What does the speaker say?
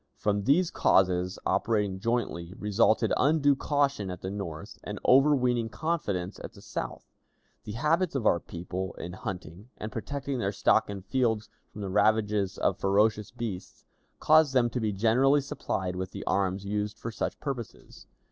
From these causes, operating jointly, resulted undue caution at the North and overweening confidence at the South. The habits of our people in hunting, and protecting their stock in fields from the ravages of ferocious beasts, caused them to be generally supplied with the arms used for such purposes.